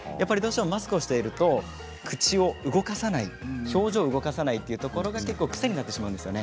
マスクをしていると口を動かさない表情を動かさないということが癖になってしまうんですよね。